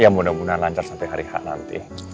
ya mudah mudahan lancar sampai hari h nanti